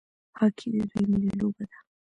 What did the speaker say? هاکي د دوی ملي لوبه ده.